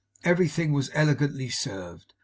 Everything was elegantly served.